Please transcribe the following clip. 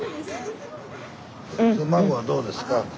孫はどうですか？